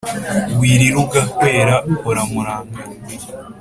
wirira ugahwera hora murangana.